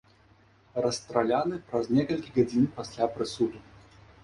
Расстраляны праз некалькі гадзін пасля прысуду.